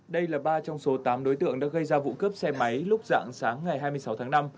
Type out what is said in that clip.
đây là ba trong số tám đối tượng đã gây ra vụ cướp xe máy lúc dạng sáng ngày hai mươi sáu tháng năm